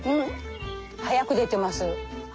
早く出てます。